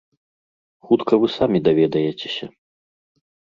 Хутка вы самі даведаецеся.